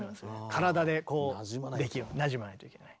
体でこうなじまないといけない。